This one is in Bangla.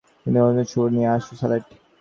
অন্তর থেকে সুর নিয়ে আসো, শার্লেট।